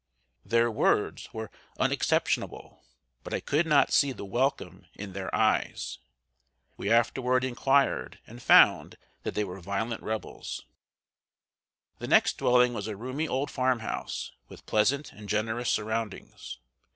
Their words were unexceptionable, but I could not see the welcome in their eyes. We afterward inquired, and found that they were violent Rebels. The next dwelling was a roomy old farm house, with pleasant and generous surroundings.